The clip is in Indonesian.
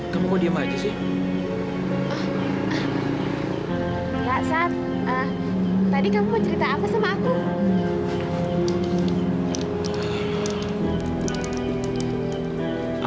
sampai jumpa di video selanjutnya